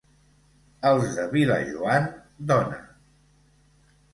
Els de Vilajoan, dona!